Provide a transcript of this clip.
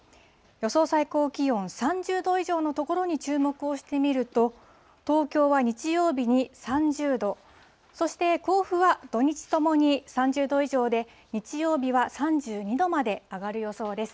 予想最高気温、３０度以上の所に注目をしてみると、東京は日曜日に３０度、そして甲府は土日ともに３０度以上で、日曜日は３２度まで上がる予想です。